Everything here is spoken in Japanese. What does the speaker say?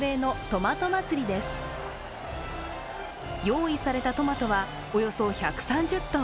用意されたトマトはおよそ１３０ｔ。